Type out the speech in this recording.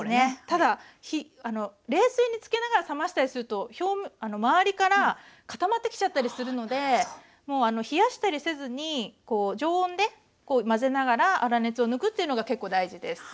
ただ冷水につけながら冷ましたりすると表面周りから固まってきちゃったりするのでもう冷やしたりせずに常温でこう混ぜながら粗熱を抜くというのが結構大事です。